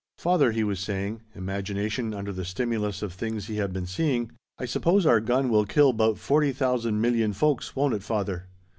"Father," he was saying, imagination under the stimulus of things he had been seeing, "I suppose our gun will kill 'bout forty thousand million folks won't it, father?"